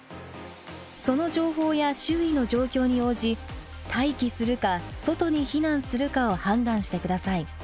その情報や周囲の状況に応じ待機するか外に避難するかを判断してください。